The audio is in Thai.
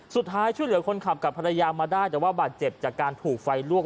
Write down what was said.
ช่วยเหลือคนขับกับภรรยามาได้แต่ว่าบาดเจ็บจากการถูกไฟลวก